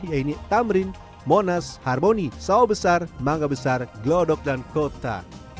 pembeli pesawat di tamrin monas harmoni sawo besar manga besar gelodok dan kota